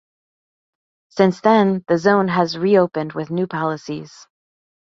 Since then, the zone has been re-opened with new policies.